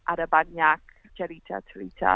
ada banyak cerita cerita